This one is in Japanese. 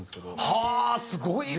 はあーすごいな！